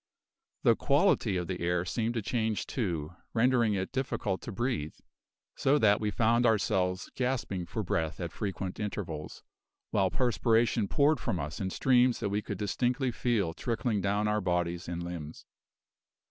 The quality of the air seemed to change, too, rendering it difficult to breathe, so that we found ourselves gasping for breath at frequent intervals, while perspiration poured from us in streams that we could distinctly feel trickling down our bodies and limbs.